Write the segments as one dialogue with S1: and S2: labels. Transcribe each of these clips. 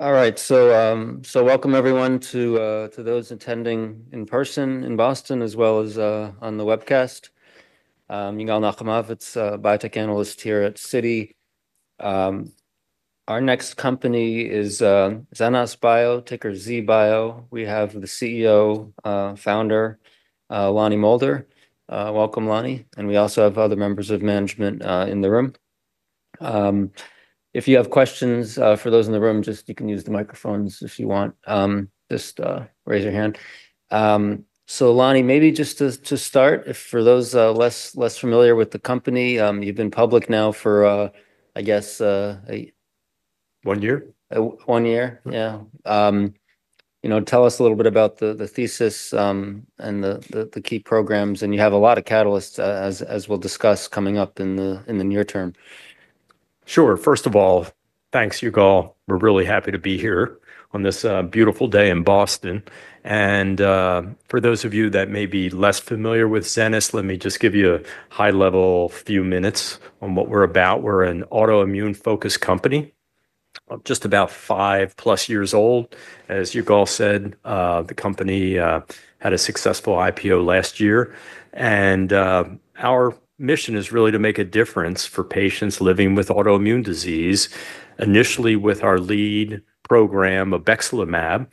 S1: All right, so welcome everyone to those attending in person in Boston, as well as on the webcast. I'm Yigal Nochomovitz, a biotech analyst here at Citi. Our next company is Zenas Bio, ticker ZBIO. We have the CEO, founder, Lonnie Moulder. Welcome, Lonnie. We also have other members of management in the room. If you have questions for those in the room, you can use the microphones if you want. Just raise your hand. Lonnie, maybe just to start, for those less familiar with the company, you've been public now for, I guess...
S2: One year.
S1: One year, yeah. You know, tell us a little bit about the thesis and the key programs. You have a lot of catalysts, as we'll discuss, coming up in the near term.
S2: Sure. First of all, thanks, Yigal. We're really happy to be here on this beautiful day in Boston. For those of you that may be less familiar with Zenas, let me just give you a high-level few minutes on what we're about. We're an autoimmune-focused company, just about 5+ years old, as Yigal said. The company had a successful IPO last year. Our mission is really to make a difference for patients living with autoimmune disease, initially with our lead program of Obexelimab,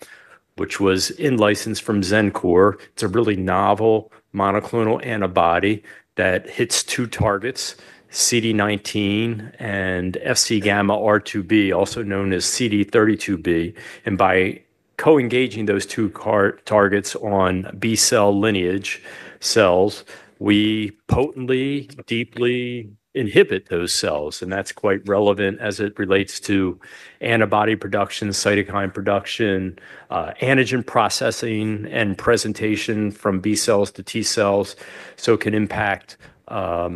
S2: which was in-licensed from Xencor. It's a really novel monoclonal antibody that hits two targets: CD19 and FcγR2b also known as CD32B. By co-engaging those two targets on B-cell lineage cells, we potently, deeply inhibit those cells. That's quite relevant as it relates to antibody production, cytokine production, antigen processing, and presentation from B cells to T cells. It can impact a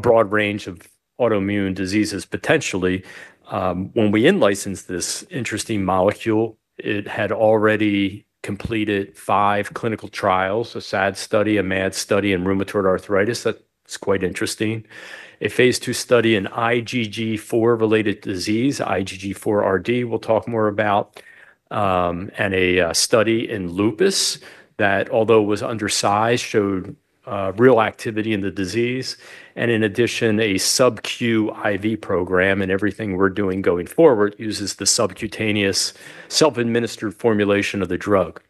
S2: broad range of autoimmune diseases, potentially. When we in-licensed this interesting molecule, it had already completed five clinical trials: a SAD study, a MAD study, and rheumatoid arthritis. That's quite interesting. A phase 2 study in IgG4-related disease, IgG4RD, we'll talk more about, and a study in lupus that, although it was undersized, showed real activity in the disease. In addition, a Sub-Q IV program. Everything we're doing going forward uses the subcutaneous self-administered formulation of the drug.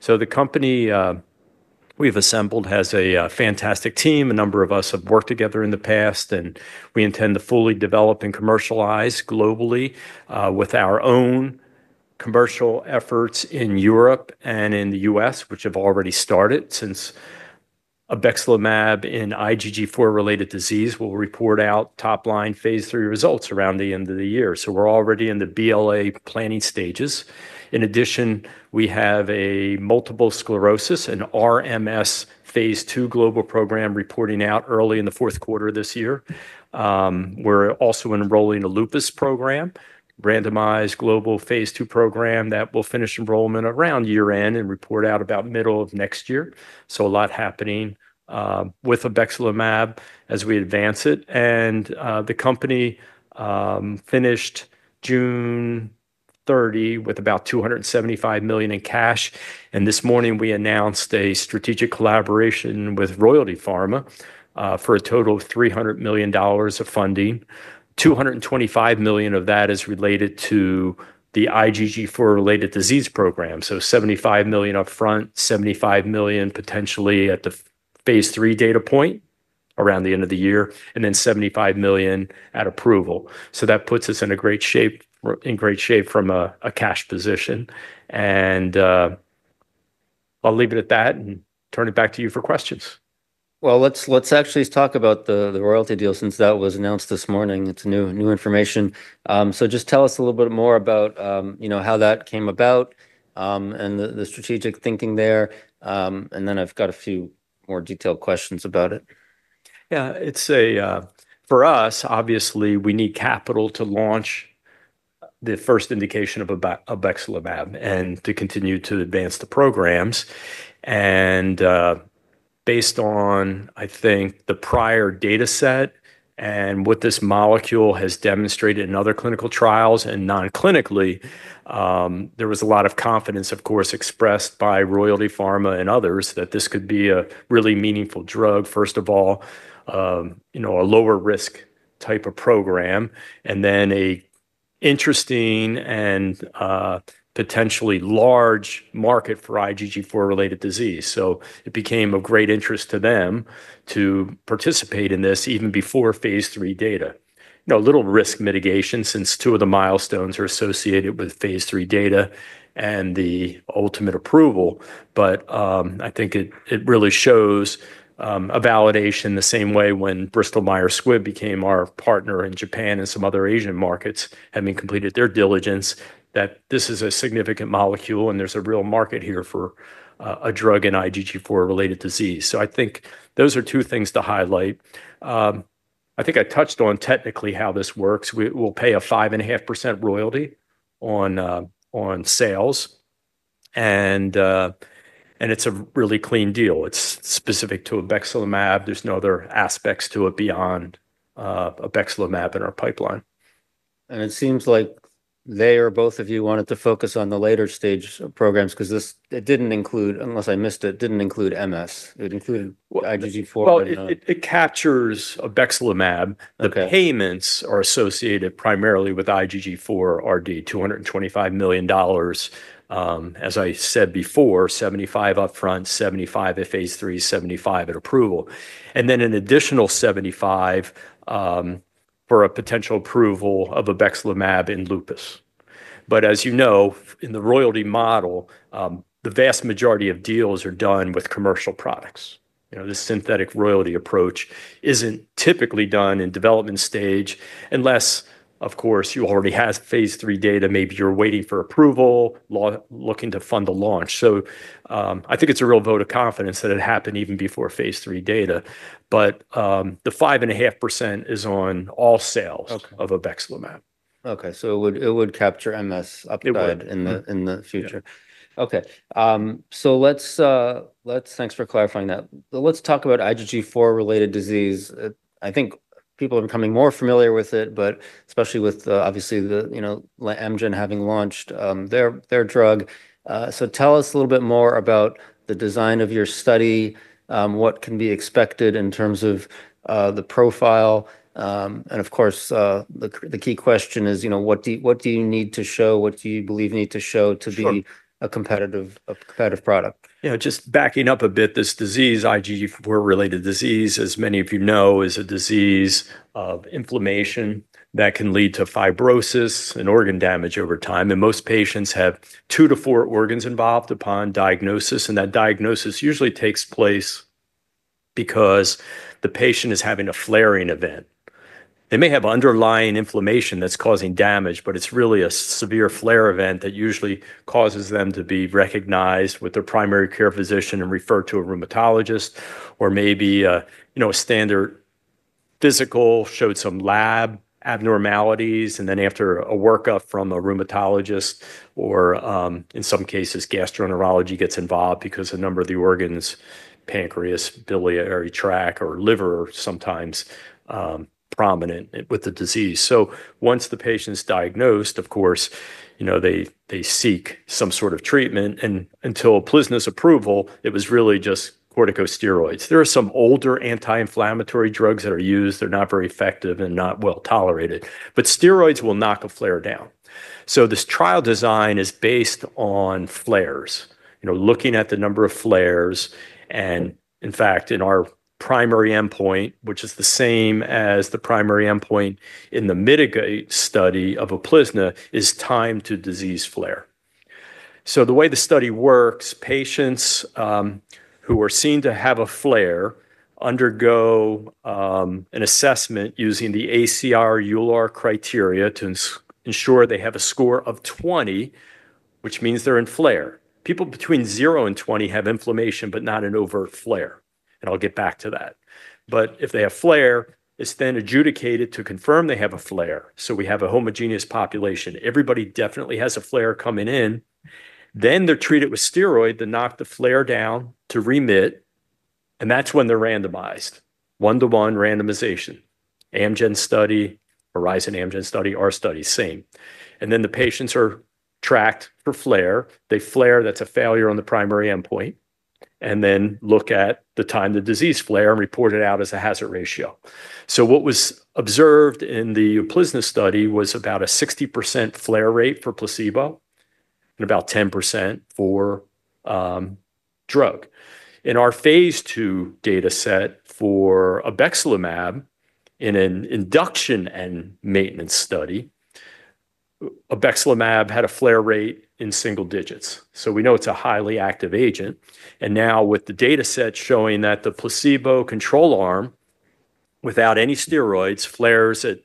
S2: The company we've assembled has a fantastic team. A number of us have worked together in the past. We intend to fully develop and commercialize globally with our own commercial efforts in Europe and in the U.S., which have already started. Obexelimab in IgG4-related disease will report out top-line phase 3 results around the end of the year. We're already in the BLA planning stages. In addition, we have a relapsing multiple sclerosis and RMS phase 2 global program reporting out early in the fourth quarter of this year. We're also enrolling a lupus program, a randomized global phase 2 program that will finish enrollment around year-end and report out about middle of next year. A lot is happening with Obexelimab as we advance it. The company finished June 30 with about $275 million in cash. This morning, we announced a strategic collaboration with Royalty Pharma for a total of $300 million of funding. $225 million of that is related to the IgG4-related disease program. $75 million upfront, $75 million potentially at the phase 2 data point around the end of the year, and then $75 million at approval. That puts us in great shape from a cash position. I'll leave it at that and turn it back to you for questions.
S1: Let's actually talk about the Royalty deal since that was announced this morning. It's new information. Just tell us a little bit more about how that came about and the strategic thinking there. I've got a few more detailed questions about it.
S2: Yeah, for us, obviously, we need capital to launch the first indication of Obexelimab and to continue to advance the programs. Based on, I think, the prior data set and what this molecule has demonstrated in other clinical trials and non-clinically, there was a lot of confidence, of course, expressed by Royalty Pharma and others that this could be a really meaningful drug. First of all, a lower-risk type of program, and then an interesting and potentially large market for IgG4-related disease. It became of great interest to them to participate in this even before phase 3 data. A little risk mitigation since two of the milestones are associated with phase 3 data and the ultimate approval. I think it really shows a validation the same way when Bristol Myers Squibb became our partner in Japan and some other Asian markets, having completed their diligence, that this is a significant molecule and there's a real market here for a drug in IgG4-related disease. I think those are two things to highlight. I think I touched on technically how this works. We'll pay a 5.5% royalty on sales. It's a really clean deal. It's specific to Obexelimab. There's no other aspects to it beyond Obexelimab in our pipeline.
S1: It seems like they or both of you wanted to focus on the later stage of programs because it didn't include, unless I missed it, didn't include MS. It included IgG4 but.
S2: It captures Obexelimab. The payments are associated primarily with IgG4RD, $225 million. As I said before, $75 million upfront, $75 million in phase 3, $75 million at approval, and then an additional $75 million for a potential approval of Obexelimab in lupus. As you know, in the royalty model, the vast majority of deals are done with commercial products. This synthetic royalty approach isn't typically done in development stage unless, of course, you already have phase 3 data, maybe you're waiting for approval, looking to fund a launch. I think it's a real vote of confidence that it happened even before phase 3 data. The 5.5% is on all sales of Obexelimab.
S1: OK, so it would capture MS upfront in the future. OK, thanks for clarifying that. Let's talk about IgG4-related disease. I think people are becoming more familiar with it, especially with, obviously, Amgen having launched their drug. Tell us a little bit more about the design of your study, what can be expected in terms of the profile. Of course, the key question is, what do you need to show? What do you believe you need to show to be a competitive product?
S2: Yeah, just backing up a bit, this disease, IgG4-related disease, as many of you know, is a disease of inflammation that can lead to fibrosis and organ damage over time. Most patients have two to four organs involved upon diagnosis. That diagnosis usually takes place because the patient is having a flaring event. They may have underlying inflammation that's causing damage, but it's really a severe flare event that usually causes them to be recognized with their primary care physician and referred to a rheumatologist. Maybe a standard physical showed some lab abnormalities. After a workup from a rheumatologist or, in some cases, gastroenterology gets involved because a number of the organs, pancreas, biliary tract, or liver, are sometimes prominent with the disease. Once the patient's diagnosed, of course, they seek some sort of treatment. Until UPLIZNA's approval, it was really just corticosteroids. There are some older anti-inflammatory drugs that are used. They're not very effective and not well tolerated. Steroids will knock a flare down. This trial design is based on flares, looking at the number of flares. In fact, our primary endpoint, which is the same as the primary endpoint in the MITIGATE study of UPLIZNA, is time to disease flare. The way the study works, patients who are seen to have a flare undergo an assessment using the ACR/ EULAR criteria to ensure they have a score of 20, which means they're in flare. People between 0 and 20 have inflammation, but not an overt flare. I'll get back to that. If they have flare, it's then adjudicated to confirm they have a flare. We have a homogeneous population. Everybody definitely has a flare coming in. They're treated with steroid to knock the flare down to remit. That's when they're randomized, one-to-one randomization. Amgen study, Horizon Amgen study, our study, same. The patients are tracked for flare. They flare, that's a failure on the primary endpoint. Then look at the time to disease flare and report it out as a hazard ratio. What was observed in the UPLIZNA study was about a 60% flare rate for placebo and about 10% for drug. In our phase 2 data set for Obexelimab in an induction and maintenance study, Obexelimab had a flare rate in single digits. We know it's a highly active agent. Now, with the data set showing that the placebo control arm, without any steroids, flares at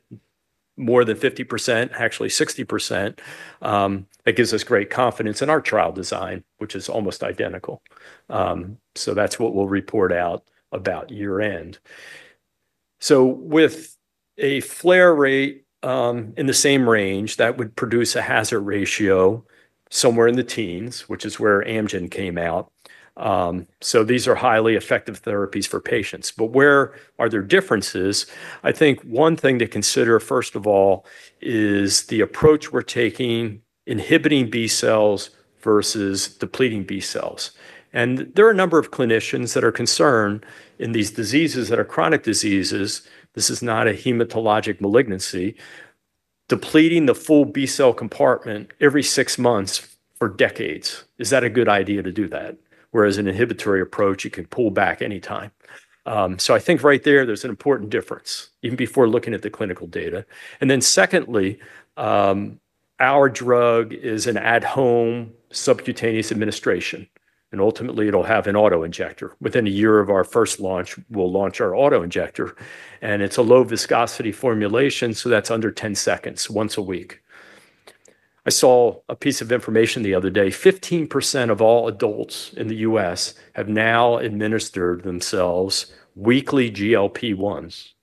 S2: more than 50%, actually 60%, that gives us great confidence in our trial design, which is almost identical. That is what we'll report out about year-end. With a flare rate in the same range, that would produce a hazard ratio somewhere in the teens, which is where Amgen came out. These are highly effective therapies for patients. Where are there differences? I think one thing to consider, first of all, is the approach we're taking, inhibiting B cells versus depleting B cells. There are a number of clinicians that are concerned in these diseases that are chronic diseases. This is not a hematologic malignancy. Depleting the full B cell compartment every six months for decades, is that a good idea to do that? Whereas an inhibitory approach, you can pull back anytime. I think right there, there's an important difference, even before looking at the clinical data. Secondly, our drug is an at-home subcutaneous administration. Ultimately, it'll have an autoinjector. Within a year of our first launch, we'll launch our autoinjector. It's a low-viscosity formulation, so that's under 10 seconds, once a week. I saw a piece of information the other day. 15% of all adults in the U.S. have now administered themselves weekly GLP-1s.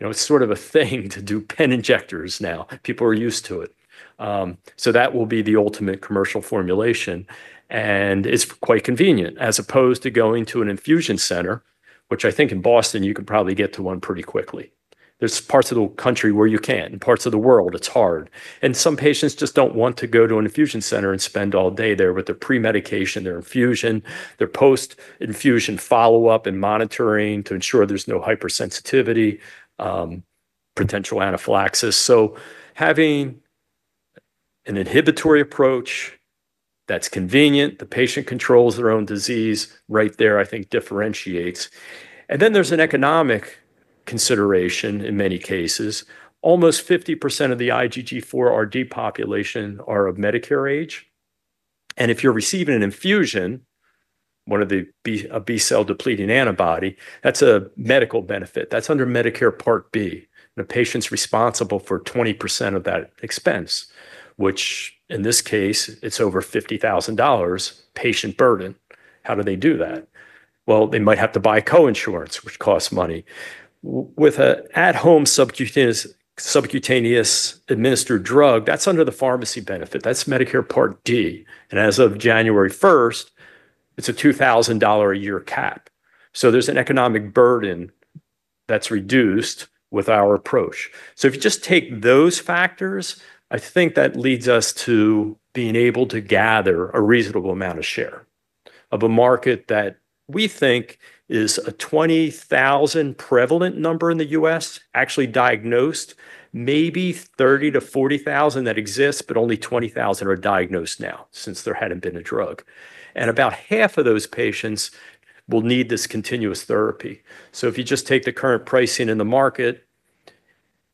S2: It's sort of a thing to do pen injectors now. People are used to it. That will be the ultimate commercial formulation. It's quite convenient, as opposed to going to an infusion center, which I think in Boston, you could probably get to one pretty quickly. There are parts of the country where you can. In parts of the world, it's hard. Some patients just don't want to go to an infusion center and spend all day there with their premedication, their infusion, their post-infusion follow-up and monitoring to ensure there's no hypersensitivity, potential anaphylaxis. Having an inhibitory approach that's convenient, the patient controls their own disease, right there, I think, differentiates. There's an economic consideration in many cases. Almost 50% of the IgG4RD population are of Medicare age. If you're receiving an infusion, one of the B cell-depleting antibodies, that's a medical benefit. That's under Medicare Part B. The patient's responsible for 20% of that expense, which in this case, it's over $50,000 patient burden. How do they do that? They might have to buy co-insurance, which costs money. With an at-home subcutaneous administered drug, that's under the pharmacy benefit. That's Medicare Part D. As of January 1st, it's a $2,000-a-year cap. There's an economic burden that's reduced with our approach. If you just take those factors, I think that leads us to being able to gather a reasonable amount of share of a market that we think is a 20,000 prevalent number in the U.S., actually diagnosed, maybe 30,000- 40,000 that exist, but only 20,000 are diagnosed now since there hadn't been a drug. About half of those patients will need this continuous therapy. If you just take the current pricing in the market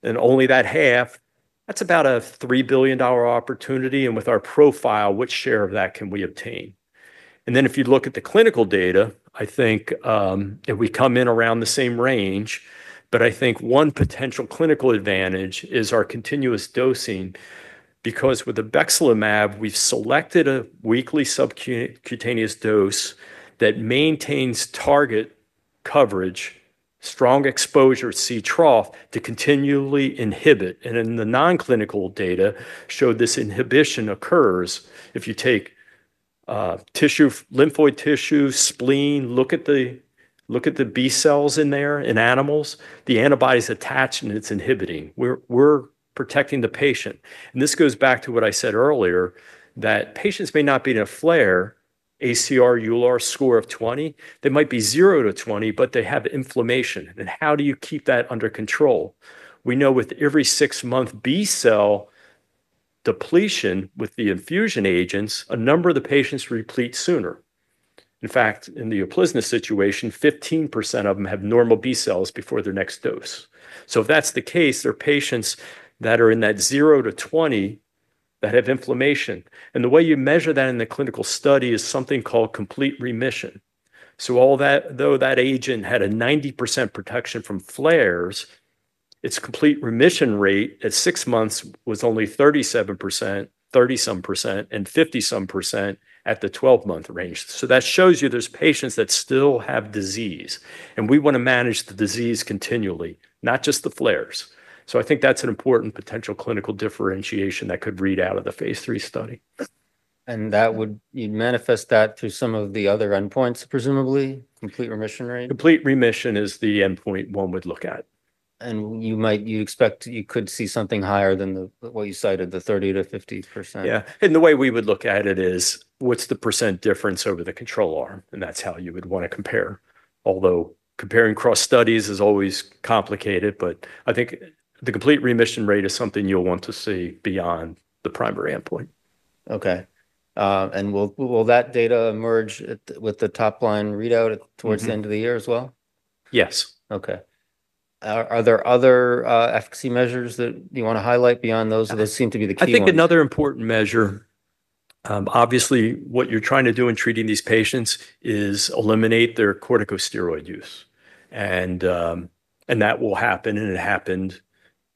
S2: and only that half, that's about a $3 billion opportunity. With our profile, which share of that can we obtain? If you look at the clinical data, I think we come in around the same range. I think one potential clinical advantage is our continuous dosing because with Obexelimab, we've selected a weekly subcutaneous dose that maintains target coverage, strong exposure, C trough, to continually inhibit. In the non-clinical data, showed this inhibition occurs. If you take lymphoid tissue, spleen, look at the B cells in there in animals, the antibodies attach and it's inhibiting. We're protecting the patient. This goes back to what I said earlier, that patients may not be in a flare, ACR/ EULAR score of 20. They might be 0- 20, but they have inflammation. How do you keep that under control? We know with every six-month B cell depletion with the infusion agents, a number of the patients replete sooner. In fact, in the prior situation, 15% of them have normal B cells before their next dose. If that's the case, there are patients that are in that 0- 20 that have inflammation. The way you measure that in the clinical study is something called complete remission. Although that agent had a 90% protection from flares, its complete remission rate at six months was only 37%, 30%, and 50% at the 12-month range. That shows you there's patients that still have disease. We want to manage the disease continually, not just the flares. I think that's an important potential clinical differentiation that could read out of the phase 3 study.
S1: Would that manifest that through some of the other endpoints, presumably? Complete remission rate?
S2: Complete remission is the endpoint one would look at.
S1: You might expect you could see something higher than what you cited, the 30%- 50%.
S2: Yeah, the way we would look at it is, what's the % difference over the control arm? That's how you would want to compare. Although comparing cross studies is always complicated, I think the complete remission rate is something you'll want to see beyond the primary endpoint.
S1: Will that data emerge with the top-line readout towards the end of the year as well?
S2: Yes.
S1: OK. Are there other efficacy measures that you want to highlight beyond those? Those seem to be the key ones.
S2: I think another important measure, obviously, what you're trying to do in treating these patients is eliminate their corticosteroid use. That will happen, and it happened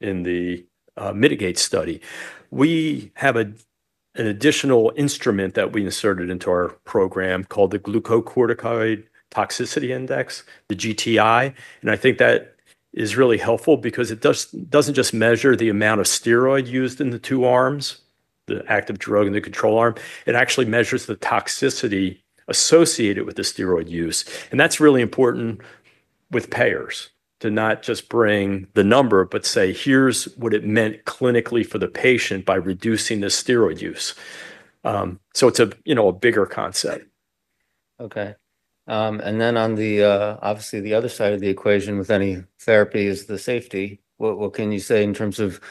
S2: in the mitigate study. We have an additional instrument that we inserted into our program called the Glucocorticoid Toxicity Index, the GTI. I think that is really helpful because it doesn't just measure the amount of steroid used in the two arms, the active drug and the control arm. It actually measures the toxicity associated with the steroid use. That's really important with payers to not just bring the number, but say, here's what it meant clinically for the patient by reducing the steroid use. It's a bigger concept.
S1: OK. On the other side of the equation with any therapy is the safety. What can you say in terms of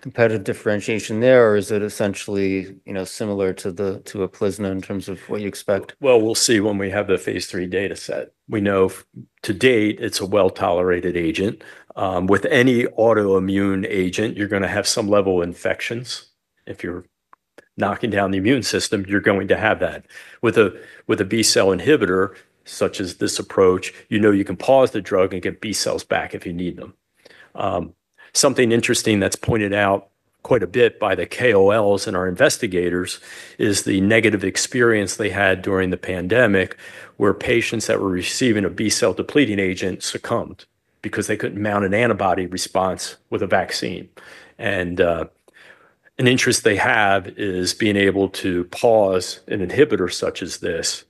S1: competitive differentiation there? Is it essentially similar to a prisoner in terms of what you expect?
S2: We will see when we have the phase 3 data set. We know to date it's a well-tolerated agent. With any autoimmune agent, you're going to have some level of infections. If you're knocking down the immune system, you're going to have that. With a B cell inhibitor, such as this approach, you know you can pause the drug and get B cells back if you need them. Something interesting that's pointed out quite a bit by the KOLs and our investigators is the negative experience they had during the pandemic where patients that were receiving a B cell depleting agent succumbed because they couldn't mount an antibody response with a vaccine. An interest they have is being able to pause an inhibitor such as this,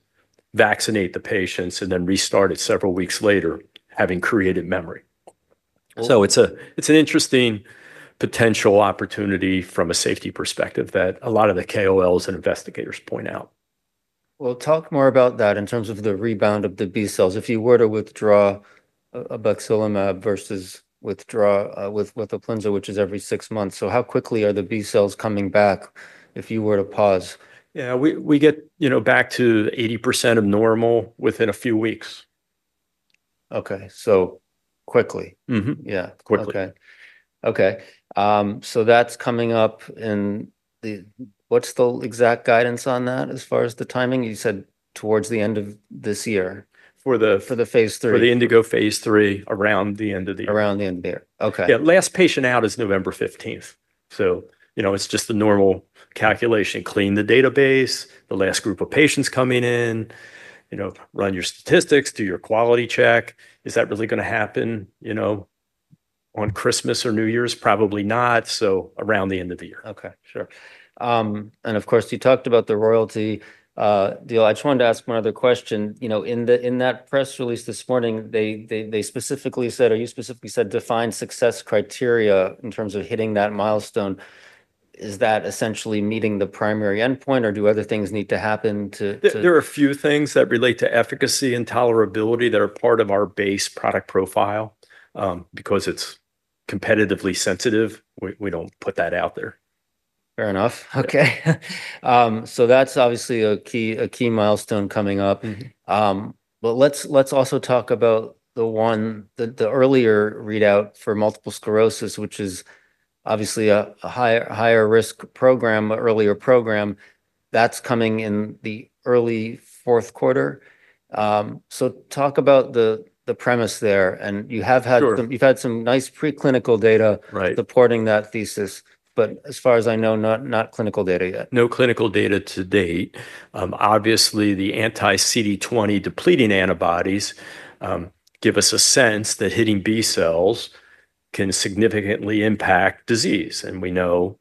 S2: vaccinate the patients, and then restart it several weeks later, having created memory. It's an interesting potential opportunity from a safety perspective that a lot of the KOLs and investigators point out.
S1: Talk more about that in terms of the rebound of the B cells. If you were to withdraw Obexelimab versus withdraw with UPLIZNA, which is every six months, how quickly are the B cells coming back if you were to pause?
S2: Yeah, we get back to 80% of normal within a few weeks.
S1: OK, quickly.
S2: Yeah, quickly.
S1: OK. That's coming up. What's the exact guidance on that as far as the timing? You said towards the end of this year for the phase 3.
S2: For the INDIGO Phase 3, around the end of the year.
S1: Around the end of the year. OK.
S2: Yeah, last patient out is November 15th. It's just a normal calculation. Clean the database, the last group of patients coming in, run your statistics, do your quality check. Is that really going to happen on Christmas or New Year's? Probably not. Around the end of the year.
S1: OK, sure. You talked about the Royalty deal. I just wanted to ask one other question. In that press release this morning, they specifically said, or you specifically said, define success criteria in terms of hitting that milestone. Is that essentially meeting the primary endpoint? Do other things need to happen too?
S2: There are a few things that relate to efficacy and tolerability that are part of our base product profile. Because it's competitively sensitive, we don't put that out there.
S1: Fair enough. OK. That's obviously a key milestone coming up. Let's also talk about the one, the earlier readout for relapsing multiple sclerosis, which is obviously a higher-risk program, earlier program. That's coming in the early fourth quarter. Talk about the premise there. You've had some nice preclinical data supporting that thesis. As far as I know, not clinical data yet.
S2: No clinical data to date. Obviously, the anti-CD20 depleting antibodies give us a sense that hitting B cells can significantly impact disease. We know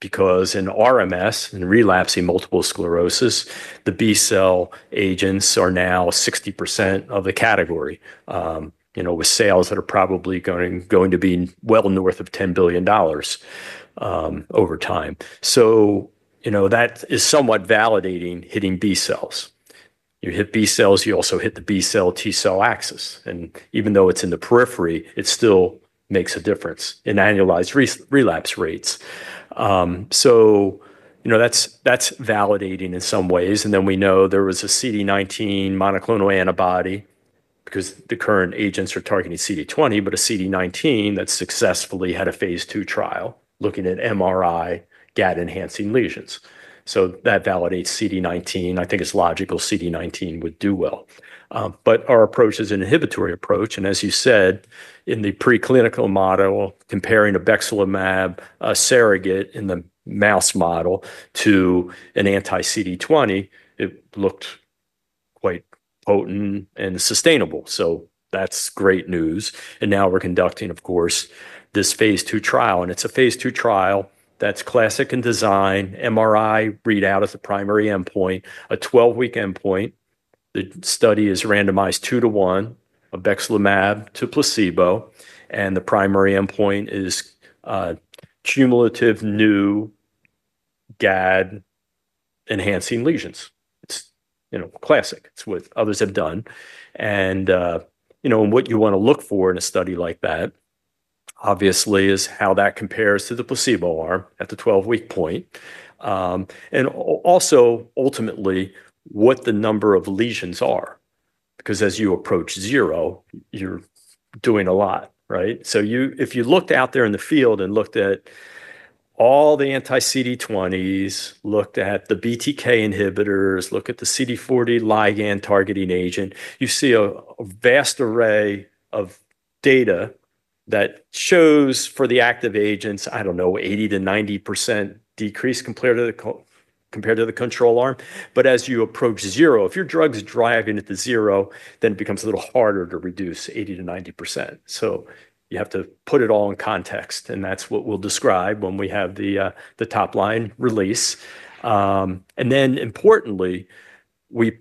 S2: because in RMS, in relapsing multiple sclerosis, the B cell agents are now 60% of the category, with sales that are probably going to be well north of $10 billion over time. That is somewhat validating hitting B cells. You hit B cells, you also hit the B cell-T cell axis. Even though it's in the periphery, it still makes a difference in annualized relapse rates. That is validating in some ways. We know there was a CD19 monoclonal antibody because the current agents are targeting CD20, but a CD19 that successfully had a phase 2 trial looking at MRI GAD-enhancing lesions. That validates CD19. I think it's logical CD19 would do well. Our approach is an inhibitory approach. As you said, in the preclinical model, comparing Obexelimab, a surrogate in the mouse model, to an anti-CD20, it looked quite potent and sustainable. That's great news. Now we're conducting, of course, this phase 2 trial. It's a phase 2 trial that's classic in design. MRI readout is the primary endpoint, a 12-week endpoint. The study is randomized two to one, Obexelimab to placebo. The primary endpoint is cumulative new GAD-enhancing lesions. It's classic. It's what others have done. What you want to look for in a study like that, obviously, is how that compares to the placebo arm at the 12-week point. Ultimately, what the number of lesions are, because as you approach 0, you're doing a lot. If you looked out there in the field and looked at all the anti-CD20s, looked at the BTK inhibitors, looked at the CD40 ligand targeting agent, you see a vast array of data that shows for the active agents, I don't know, 80%- 90% decrease compared to the control arm. As you approach 0, if your drug's driving it to 0, then it becomes a little harder to reduce 80%- 90%. You have to put it all in context. That's what we'll describe when we have the top-line release. Importantly, we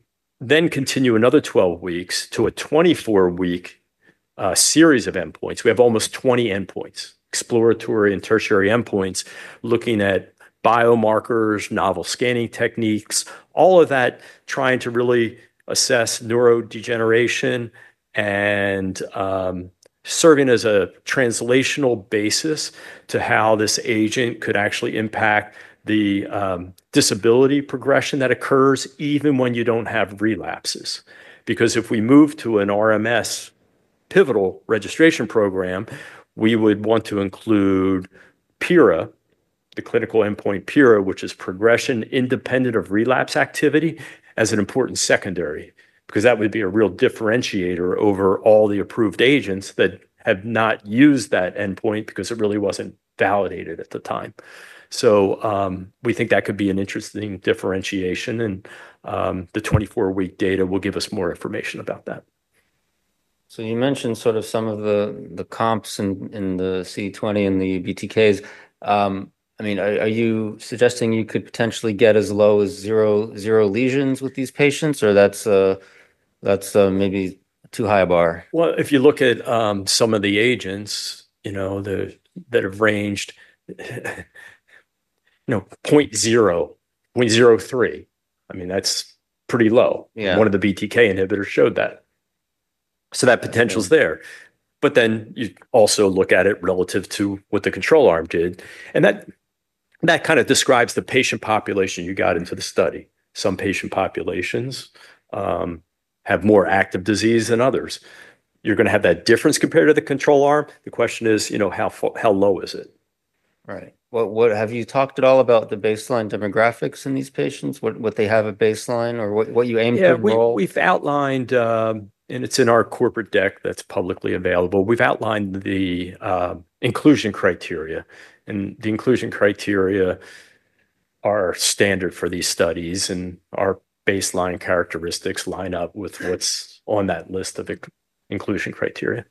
S2: then continue another 12 weeks to a 24-week series of endpoints. We have almost 20 endpoints, exploratory and tertiary endpoints, looking at biomarkers, novel scanning techniques, all of that, trying to really assess neurodegeneration and serving as a translational basis to how this agent could actually impact the disability progression that occurs even when you don't have relapses. Because if we move to an RMS Pivotal Registration program, we would want to include PIRA, the clinical endpoint PIRA, which is Progression Independent of Relapse Activity, as an important secondary. That would be a real differentiator over all the approved agents that have not used that endpoint because it really wasn't validated at the time. We think that could be an interesting differentiation. The 24-week data will give us more information about that.
S1: You mentioned sort of some of the comps in the CD20 and the BTKs. I mean, are you suggesting you could potentially get as low as 0 lesions with these patients, or that's maybe too high a bar?
S2: If you look at some of the agents that have ranged 0.03, I mean, that's pretty low. One of the BTK inhibitors showed that. That potential is there, but you also look at it relative to what the control arm did. That kind of describes the patient population you got into the study. Some patient populations have more active disease than others. You're going to have that difference compared to the control arm. The question is, how low is it?
S1: Right. Have you talked at all about the baseline demographics in these patients, what they have at baseline, or what you aim for?
S2: Yeah, we've outlined, and it's in our corporate deck that's publicly available, we've outlined the inclusion criteria. The inclusion criteria are standard for these studies, and our baseline characteristics line up with what's on that list of inclusion criteria.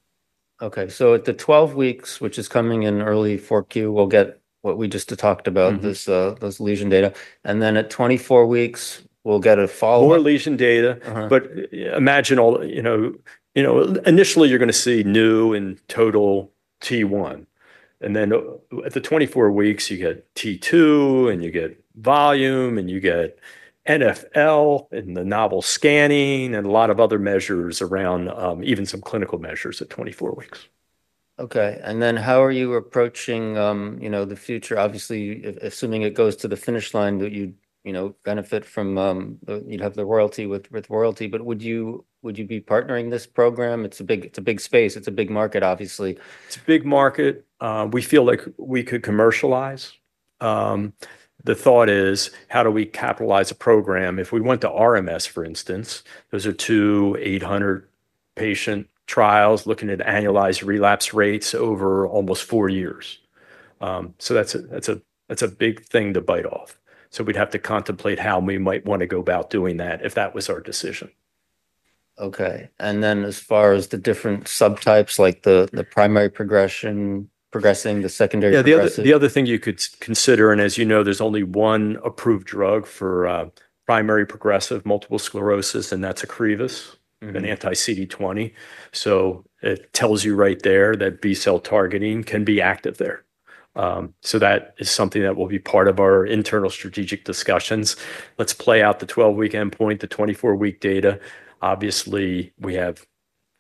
S1: At the 12 weeks, which is coming in early 4Q, we'll get what we just talked about, those lesion data. At 24 weeks, we'll get a follow-up.
S2: More lesion data. Imagine, initially, you're going to see new and total T1. At the 24 weeks, you get T2, and you get volume, and you get NFL and the novel scanning and a lot of other measures around, even some clinical measures at 24 weeks.
S1: OK. How are you approaching the future? Obviously, assuming it goes to the finish line, you'd benefit from, you'd have the royalty with Royalty. Would you be partnering this program? It's a big space. It's a big market, obviously.
S2: It's a big market. We feel like we could commercialize. The thought is, how do we capitalize a program? If we went to RMS, for instance, those are two 800-patient trials looking at annualized relapse rates over almost four years. That's a big thing to bite off. We'd have to contemplate how we might want to go about doing that if that was our decision.
S1: OK. As far as the different subtypes, like the primary progression, progressing, the secondary, third.
S2: Yeah, the other thing you could consider, and as you know, there's only one approved drug for primary progressive multiple sclerosis, and that's Ocrevus, an anti-CD20. It tells you right there that B cell targeting can be active there. That is something that will be part of our internal strategic discussions. Let's play out the 12-week endpoint, the 24-week data. Obviously, we have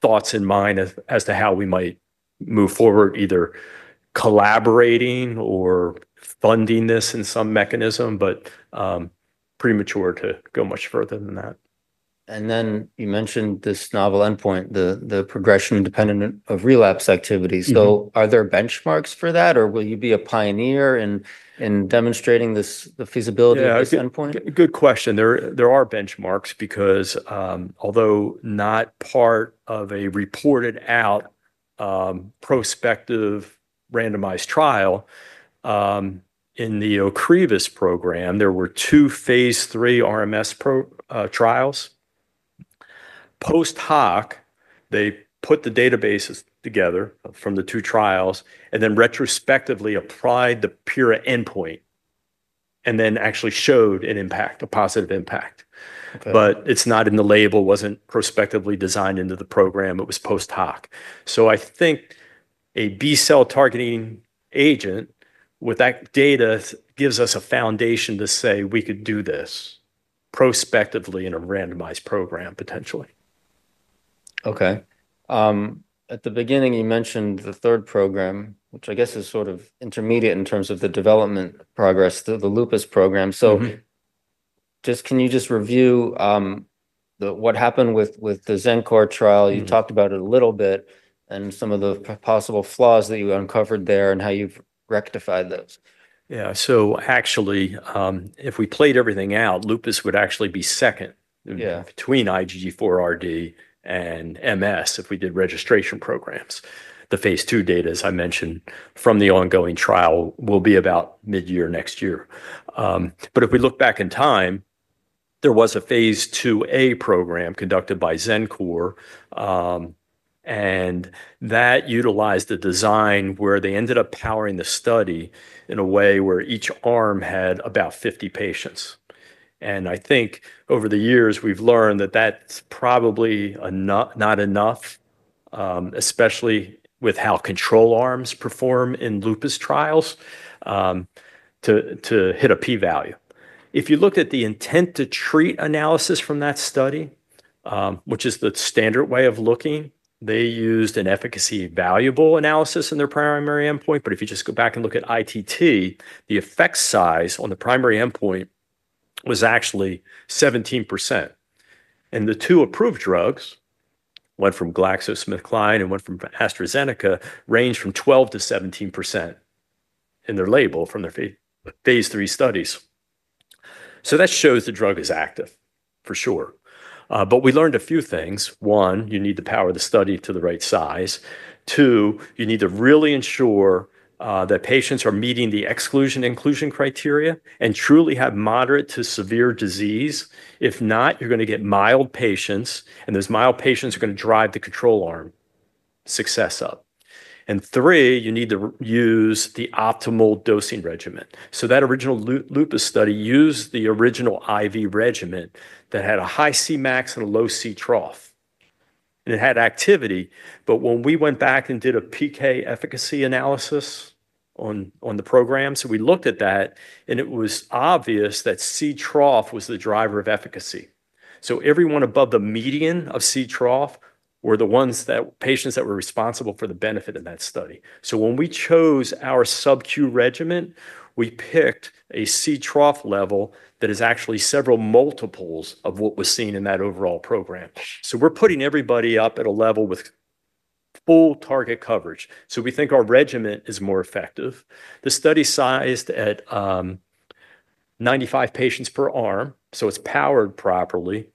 S2: thoughts in mind as to how we might move forward, either collaborating or funding this in some mechanism. It is premature to go much further than that.
S1: You mentioned this novel endpoint, the Progression Independent of Relapse Activity. Are there benchmarks for that? Will you be a pioneer in demonstrating the feasibility of this endpoint?
S2: Good question. There are benchmarks because although not part of a reported-out prospective randomized trial, in the Ocrevus program, there were two phase 3 RMS trials. Post hoc, they put the databases together from the two trials and then retrospectively applied the PIRA endpoint and then actually showed an impact, a positive impact. It's not in the label, wasn't prospectively designed into the program. It was post hoc. I think a B cell targeting agent with that data gives us a foundation to say we could do this prospectively in a randomized program, potentially.
S1: OK. At the beginning, you mentioned the third program, which I guess is sort of intermediate in terms of the development progress, the lupus program. Can you just review what happened with the Xencor trial? You talked about it a little bit and some of the possible flaws that you uncovered there and how you've rectified those.
S2: Yeah, so actually, if we played everything out, lupus would actually be second between IgG4RD and MS if we did registration programs. The phase 2 data, as I mentioned, from the ongoing trial will be about mid-year next year. If we look back in time, there was a phase 2a program conducted by Xencor. That utilized the design where they ended up powering the study in a way where each arm had about 50 patients. I think over the years, we've learned that that's probably not enough, especially with how control arms perform in lupus trials, to hit a P-value. If you look at the intent-to-treat analysis from that study, which is the standard way of looking, they used an efficacy evaluable analysis in their primary endpoint. If you just go back and look at ITT, the effect size on the primary endpoint was actually 17%. The two approved drugs, one from GlaxoSmithKline and one from AstraZeneca, range from 12%- 17% in their label from their phase 3 studies. That shows the drug is active for sure. We learned a few things. One, you need to power the study to the right size. Two, you need to really ensure that patients are meeting the exclusion-inclusion criteria and truly have moderate to severe disease. If not, you're going to get mild patients, and those mild patients are going to drive the control arm success up. Three, you need to use the optimal dosing regimen. That original lupus study used the original IV regimen that had a high Cmax and a low C trough. It had activity. When we went back and did a PK efficacy analysis on the program, we looked at that, and it was obvious that C trough was the driver of efficacy. Everyone above the median of C trough were the ones, the patients that were responsible for the benefit of that study. When we chose our Sub-Q regimen, we picked a C trough level that is actually several multiples of what was seen in that overall program. We're putting everybody up at a level with full target coverage. We think our regimen is more effective. The study is sized at 95 patients per arm, so it's powered properly.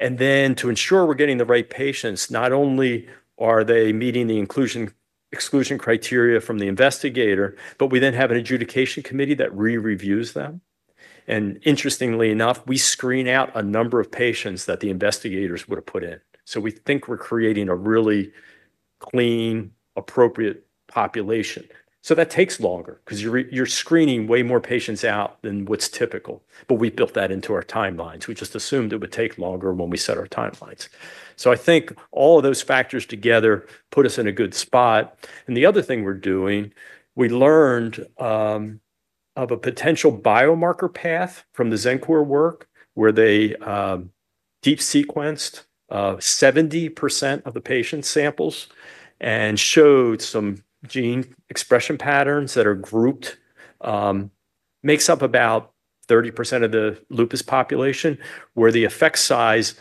S2: To ensure we're getting the right patients, not only are they meeting the inclusion-exclusion criteria from the investigator, but we then have an adjudication committee that re-reviews them. Interestingly enough, we screen out a number of patients that the investigators would have put in. We think we're creating a really clean, appropriate population. That takes longer because you're screening way more patients out than what's typical. We built that into our timelines. We just assumed it would take longer when we set our timelines. I think all of those factors together put us in a good spot. The other thing we're doing, we learned of a potential biomarker path from the Xencor work where they deep sequenced 70% of the patient samples and showed some gene expression patterns that are grouped, makes up about 30% of the lupus population, where the effect size,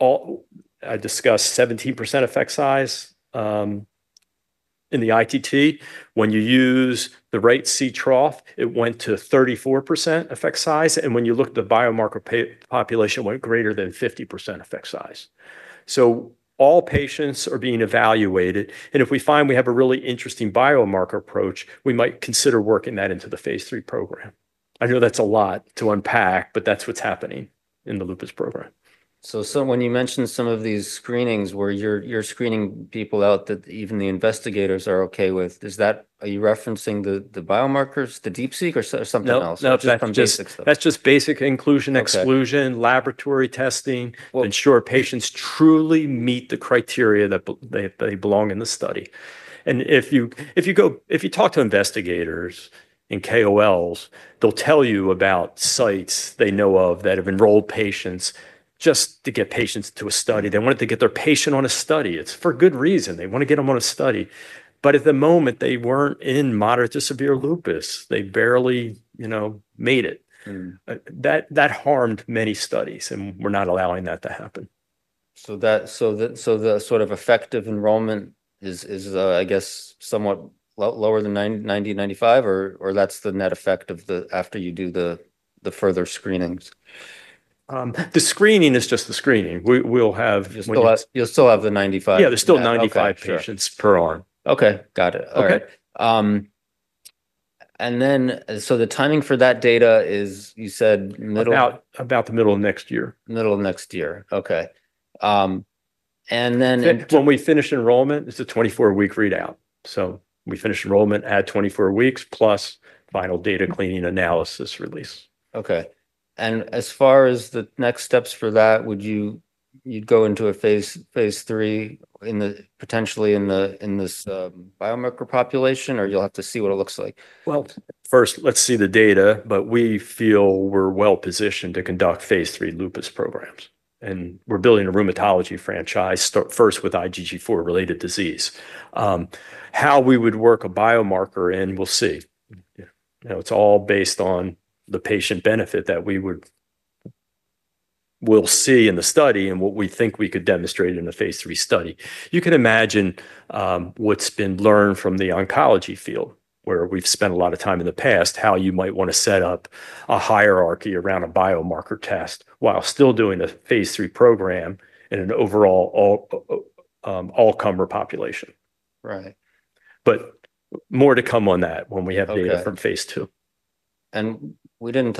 S2: I discussed 17% effect size in the ITT. When you use the right C trough, it went to 34% effect size. When you look at the biomarker population, it went greater than 50% effect size. All patients are being evaluated. If we find we have a really interesting biomarker approach, we might consider working that into the phase 3 program. I know that's a lot to unpack, but that's what's happening in the lupus program.
S1: When you mentioned some of these screenings where you're screening people out that even the investigators are OK with, are you referencing the biomarkers, the deep seek, or something else?
S2: No, that's just basic inclusion, exclusion, laboratory testing, ensure patients truly meet the criteria that they belong in the study. If you talk to investigators and KOLs, they'll tell you about sites they know of that have enrolled patients just to get patients to a study. They wanted to get their patient on a study. It's for good reason. They want to get them on a study. At the moment, they weren't in moderate to severe lupus. They barely made it. That harmed many studies. We're not allowing that to happen.
S1: Is the sort of effective enrollment, I guess, somewhat lower than 90%/ 95%? That's the net effect after you do the further screenings?
S2: The screening is just the screening.
S1: You'll still have the 95%.
S2: Yeah, there's still 95% patients per arm.
S1: OK, got it. The timing for that data is, you said middle?
S2: About the middle of next year.
S1: Middle of next year. OK.
S2: When we finish enrollment, it's a 24-week readout. We finish enrollment at 24 weeks plus final data cleaning, analysis, release.
S1: OK. As far as the next steps for that, would you go into a phase 3 potentially in this biomarker population, or you'll have to see what it looks like?
S2: First, let's see the data. We feel we're well positioned to conduct phase 3 lupus programs, and we're building a rheumatology franchise, first with IgG4-related disease. How we would work a biomarker in, we'll see. It's all based on the patient benefit that we will see in the study and what we think we could demonstrate in a phase 3 study. You can imagine what's been learned from the oncology field, where we've spent a lot of time in the past, how you might want to set up a hierarchy around a biomarker test while still doing a phase 3 program in an overall all-comer population.
S1: Right.
S2: More to come on that when we have data from phase 2.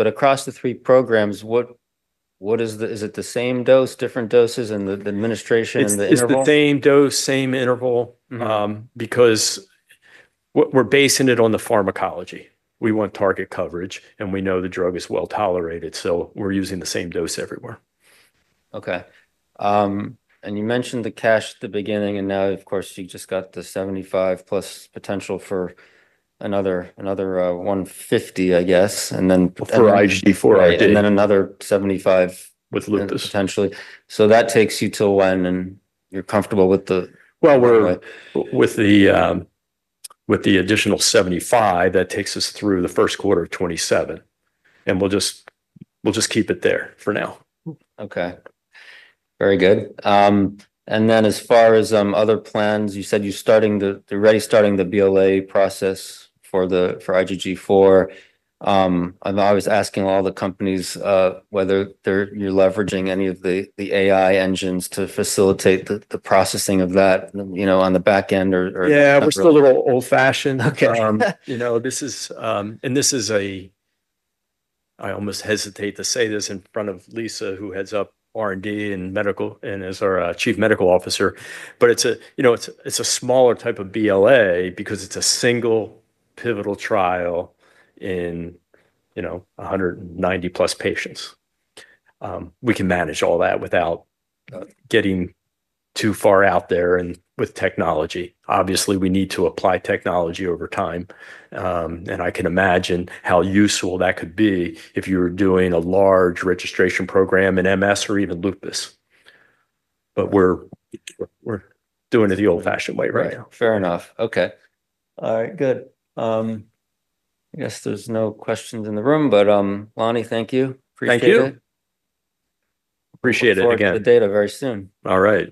S1: Across the three programs, is it the same dose, different doses, and the administration and the interval?
S2: It's the same dose, same interval because we're basing it on the pharmacology. We want target coverage, and we know the drug is well tolerated. We're using the same dose everywhere.
S1: OK. You mentioned the cash at the beginning. Now, of course, you just got the $75 million plus potential for another $150 million, I guess.
S2: For IgG4RD.
S1: Another $75 million with lupus, potentially. That takes you till when? You're comfortable with the.
S2: With the additional $75 million, that takes us through the first quarter of 2027. We'll just keep it there for now.
S1: OK. Very good. As far as other plans, you said you're already starting the BLA process for IgG4. I'm always asking all the companies whether you're leveraging any of the AI engines to facilitate the processing of that on the back end.
S2: Yeah, we're still a little old-fashioned. This is a, I almost hesitate to say this in front of Lisa, who heads up R&D and is our Chief Medical Officer. It's a smaller type of BLA because it's a single pivotal trial in 190+ patients. We can manage all that without getting too far out there with technology. Obviously, we need to apply technology over time. I can imagine how useful that could be if you were doing a large registration program in MS or even lupus. We're doing it the old-fashioned way, right?
S1: Fair enough. OK. All right, good. I guess there's no questions in the room. Lonnie, thank you.
S2: Thank you. Appreciate it again.
S1: will have the data very soon.
S2: All right.